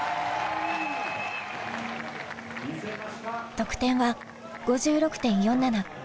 得点は５６．４７。